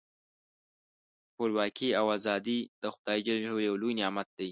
خپلواکي او ازادي د خدای ج یو لوی نعمت دی.